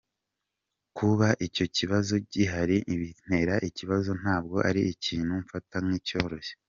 Kuba icyo kibazo gihari bintera ikibazo ntabwo ari ikintu mfata nk'icyoroshye.